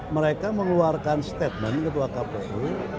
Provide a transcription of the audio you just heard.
mereka mengeluarkan statement ketua kpu